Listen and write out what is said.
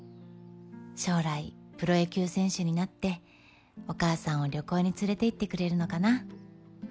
将来プロ野球選手になってお母さんを旅行に連れて行ってくれるのかな？